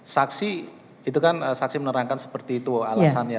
saksi itu kan saksi menerangkan seperti itu alasannya